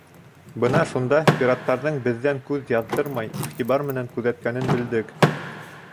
Бына шунда пираттарҙың беҙҙән күҙ яҙҙырмай, иғтибар менән күҙәткәнен белдек.